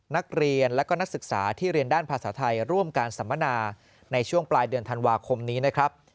นักเรียนและก็นักศึกษาที่เรียนด้านภาษาไทยร่วมการสัมมนาในช่วงปลายเดือนธันวาคมนี้นะครับ